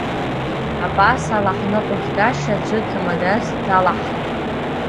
Абасала, ҳныҟәызгаша аӡәы ҭамадас далаҳхып.